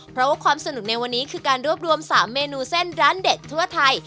เพราะว่าความสนุกในวันนี้คือการรวบรวม๓เมนูเส้นร้านเด็ดทั่วไทย